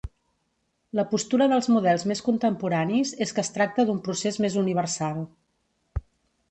La postura dels models més contemporanis és que es tracta d'un procés més universal.